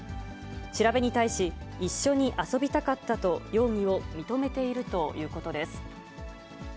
調べに対し、一緒に遊びたかったと、容疑を認めているということです。